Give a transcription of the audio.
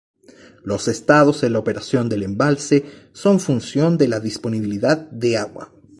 Los estados en la operación del embalse son función de la disponibilidad de agua.